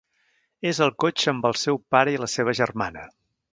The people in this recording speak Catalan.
És al cotxe amb el seu pare i la seva germana.